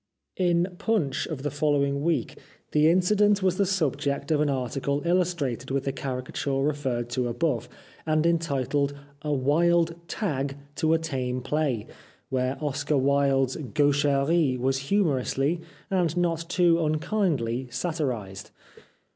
In Punch of the following week the incident 323 The Life of Oscar Wilde was the subject of an article illustrated with the caricature referred to above, and entitled " A Wilde ' Tag ' to a Tame Play," where Oscar Wilde's gaucherie was humorously and not too unkindly satirised.